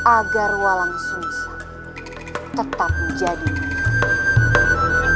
agar walang susah tetap menjadi